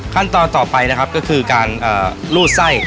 ขั้นตอนต่อไปนะครับก็คือการรูดไส้